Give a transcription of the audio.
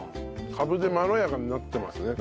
カブでまろやかになってますね